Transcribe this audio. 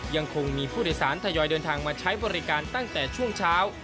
ยังคงมีผู้โดยสารทยอยเดินทางมาใช้บริการตั้งแต่ช่วงเช้า